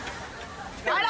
あら！